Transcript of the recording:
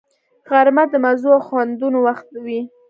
غرمه د مزو او خوندونو وخت وي